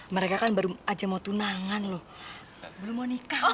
mereka kan baru aja mau tunangan loh belum mau nikah